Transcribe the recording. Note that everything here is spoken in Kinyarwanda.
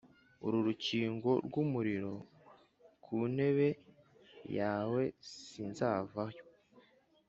Uru rukingo rwumuriro kuntebe yawe sinzavayo